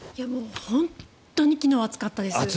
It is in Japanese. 本当に昨日は暑かったです。